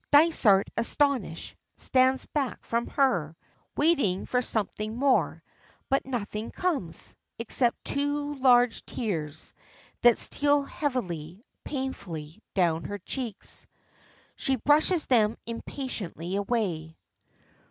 Dysart, astonished, stands back from her, waiting for something more; but nothing comes, except two large tears, that steal heavily, painfully, down her cheeks. She brushes them impatiently away.